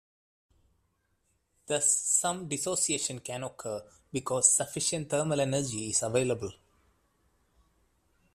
Thus some dissociation can occur because sufficient thermal energy is available.